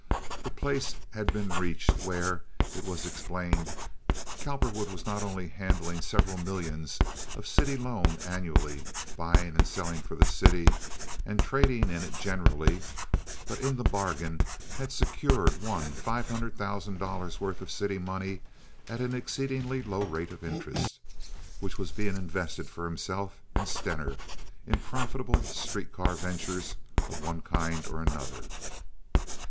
the place had been reached where, it was explained, Cowperwood was not only handling several millions of city loan annually, buying and selling for the city and trading in it generally, but in the bargain had secured one five hundred thousand dollars' worth of city money at an exceedingly low rate of interest, which was being invested for himself and Stener in profitable street car ventures of one kind and another.